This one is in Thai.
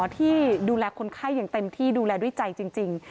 ที่ดูแลคนไข้อย่างเต็มที่ดูแลด้วยใจจริง